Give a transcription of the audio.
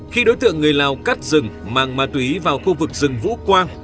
khi đối tượng người lào cắt rừng mang ma túy vào khu vực rừng vũ quang